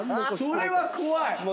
それは怖い！